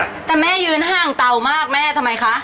ไปดึกอยู่ห้างเตามากแม่ทำไมคะ